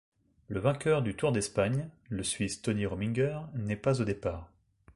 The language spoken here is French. Le vainqueur du Tour d'Espagne, le Suisse Tony Rominger, n'est pas au départ.